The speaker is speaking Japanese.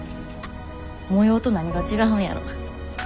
模様と何が違うんやろ。